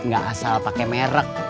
gak asal pakai merek